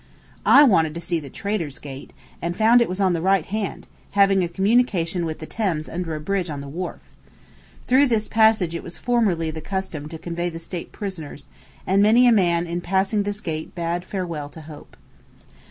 I wanted to see the Traitor's Gate, and found it was on the right hand, having a communication with the Thames under a bridge on the wharf. Through this passage it was formerly the custom to convey the state prisoners, and many a man in passing this gate bade farewell to hope.